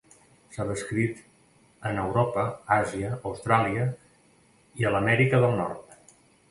S'ha descrit en Europa, Àsia, Austràlia i a l'Amèrica del Nord.